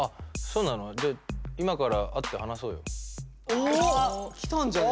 お来たんじゃね？